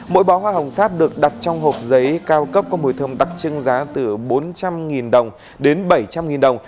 mỗi bó hoa hồng sáp được đặt trong hộp giấy cao cấp có mùi thơm đặc trưng giá từ bốn trăm linh đồng đến bảy trăm linh đồng